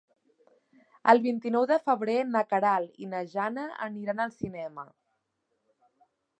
El vint-i-nou de febrer na Queralt i na Jana aniran al cinema.